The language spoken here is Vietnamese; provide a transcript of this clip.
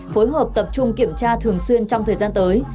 phối hợp tập trung kiểm tra thường xuyên trong thời gian tới